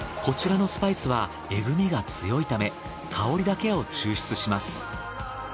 こちらのスパイスはえぐみが強いため香りだけを抽出します。